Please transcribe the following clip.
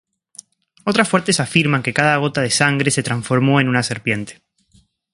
Otras fuentes afirman que cada gota de sangre se transformó en una serpiente.